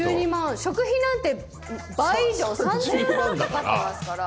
食費なんて倍以上３０万かかってますから。